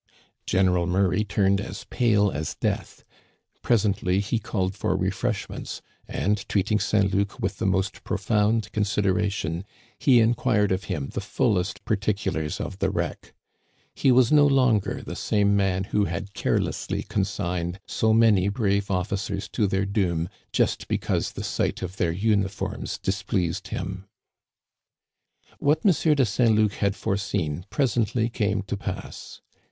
General Murray turned as pale as death. Presently he called for refreshments, and, treating Saint Luc with the most profound consideration, he inquired of him the fullest particulars of the wreck. He was no longer the game man who had carelessly consigned so many brave Digitized by VjOOQIC THE SHIPWRECK OF THE AUGUSTE, 227 ofi&cers to their doom just because the sight of their uni forms displeased him. What M. de Saint Luc had foreseen presently came to pass.